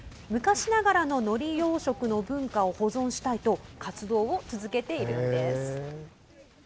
昔ながらののり養殖の文化を保存したいと活動を続けているんです。